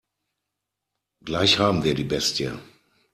Gleich haben wir die Bestie.